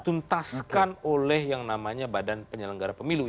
tapi itu tidak bisa dituntaskan oleh yang namanya badan penyelenggara pemilu